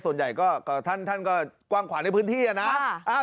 ส่วนใหญ่ก็ท่านก็กว้างขวางในพื้นที่นะ